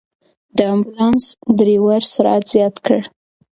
د امبولانس ډرېور سرعت زیات کړ.